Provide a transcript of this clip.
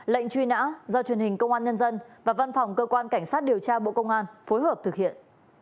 lệnh truy nã do truyền hình công an nhân dân và văn phòng cơ quan cảnh sát điều tra bộ công an phối hợp thực hiện